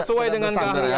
sesuai dengan karya